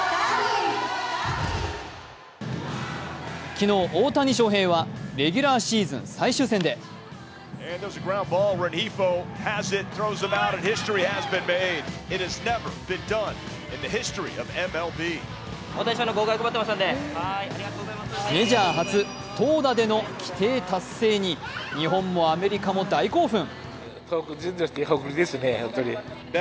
昨日、大谷翔平はレギュラーシーズン最終戦でメジャー初投打での規定達成に、日本もアメリカも大興奮！